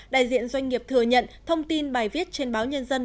đại diện doanh nghiệp thừa nhận thông tin bài viết trên báo nhân dân